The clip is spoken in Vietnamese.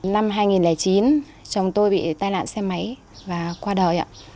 năm hai nghìn chín chồng tôi bị tai nạn xe máy và qua đời